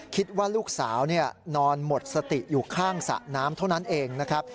คิดว่าลูกสาวนอนหมดสติอยู่ข้างสระน้ำเท่านั้นเองนะครับ